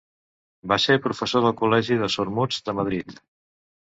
Va ser professor del col·legi de sordmuts de Madrid.